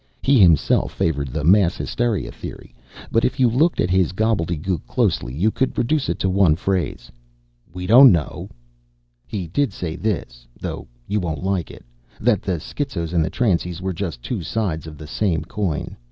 He himself favored the mass hysteria theory. But if you looked at his gobbledegook closely, you could reduce it to one phrase, We don't know. "He did say this though you won't like it that the schizos and the transies were just two sides of the same coin.